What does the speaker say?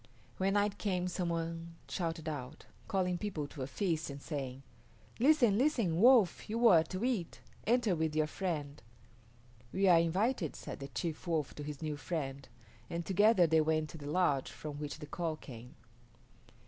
When night came some one shouted out, calling people to a feast and saying, "Listen, listen, Wolf, you are to eat; enter with your friend." "We are invited," said the chief Wolf to his new friend, and together they went to the lodge from which the call came.